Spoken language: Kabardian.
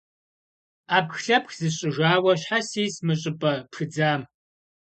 Ӏэпхлъэпх зысщӀыжауэ щхьэ сис мы щӀыпӀэ пхыдзам?